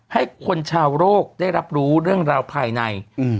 ให้คนชาวโรคได้รับรู้เรื่องราวภายใน